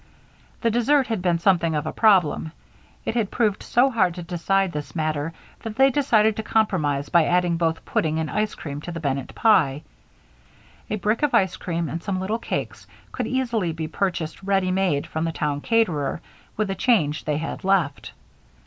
The dessert had been something of a problem. It had proved so hard to decide this matter that they decided to compromise by adding both pudding and ice cream to the Bennett pie. A brick of ice cream and some little cakes could easily be purchased ready made from the town caterer, with the change they had left.